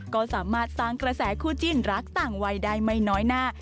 ก็สามารถสร้างกระแสคู่จิ้นรักต่างวัยได้ไม่น้อยหน้า